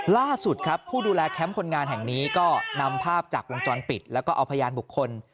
ล่าสุดครับผู้ดูแลแคมป์คนงานแห่งนี้ก็นำภาพจากวงจรปิดแล้วก็เอาพยานบุคคล